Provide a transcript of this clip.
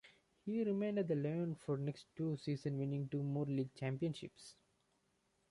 He remained at Lyon for the next two season winning two more League Championships.